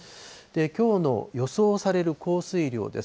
きょうの予想される降水量です。